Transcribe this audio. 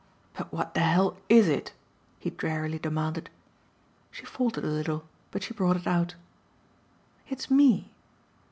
"But what the hell IS it?" he drearily demanded. She faltered a little, but she brought it out. "It's ME."